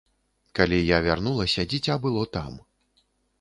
Калі я вярнулася, дзіця было там.